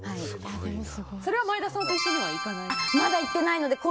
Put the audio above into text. それは前田さんと一緒には行ってないんですか？